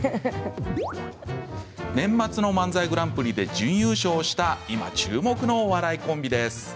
年末の漫才グランプリで準優勝をした今、注目のお笑いコンビです。